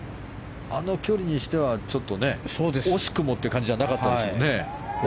あの距離にしてはちょっと惜しくもという感じではなかったですね。